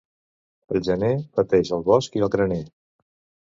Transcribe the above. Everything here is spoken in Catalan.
Pel gener pateix el bosc i el graner.